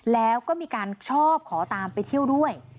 แล้วก็มีการชอบขอตามไปเที่ยวด้วย